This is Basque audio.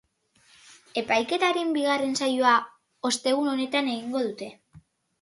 Epaiketaren bigarren saioa ostegun honetan egingo dute.